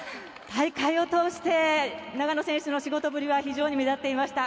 大会を通して長野選手の仕事ぶりは非常に目立っていました。